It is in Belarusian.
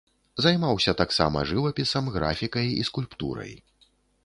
Займаўся таксама жывапісам, графікай і скульптурай.